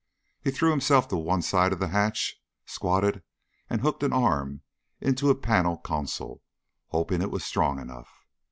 He threw himself to one side of the hatch, squatted and hooked an arm into a panel console, hoping it was strong enough.